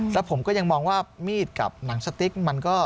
แล้วผมก็ยังมองว่ามีดกับหนังสติ๊กมันก็